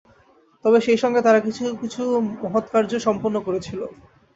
তবে সেই সঙ্গে তারা কিছু কিছু মহৎকার্যও সম্পন্ন করেছিল।